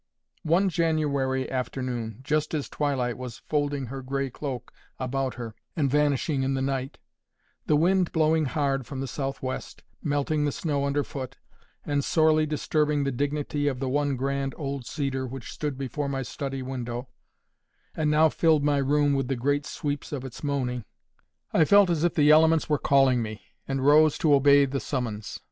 One January afternoon, just as twilight was folding her gray cloak about her, and vanishing in the night, the wind blowing hard from the south west, melting the snow under foot, and sorely disturbing the dignity of the one grand old cedar which stood before my study window, and now filled my room with the great sweeps of its moaning, I felt as if the elements were calling me, and rose to obey the summons.